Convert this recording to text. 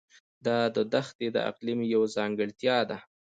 دا دښتې د اقلیم یوه ځانګړتیا ده.